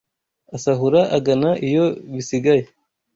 Asahura agana iyo bisigaye